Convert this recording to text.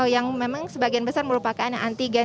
yang memang sebagian besar merupakan antigen